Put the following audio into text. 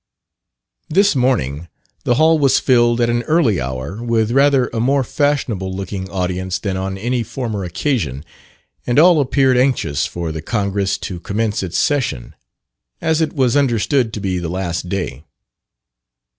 This morning the Hall was filled at an early hour with rather a more fashionable looking audience than on any former occasion, and all appeared anxious for the Congress to commence its session, as it was understood to be the last day.